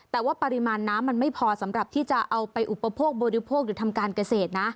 แต่ว่าปริมาณน้ำมันไม่พอสำหรับที่จะเอาไปอุปโภคบริโภคหรือทำการเกษตรนะ